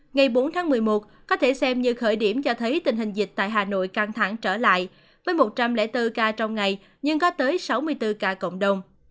ngày bốn tháng một mươi một có thể xem như khởi điểm cho thấy tình hình dịch tại hà nội căng thẳng trở lại với một trăm linh bốn ca trong ngày nhưng có tới sáu mươi bốn ca cộng đồng